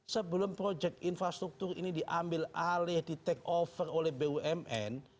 sebelum proyek infrastruktur ini diambil alih di take over oleh bumn